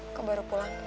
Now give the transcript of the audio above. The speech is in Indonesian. aku baru pulang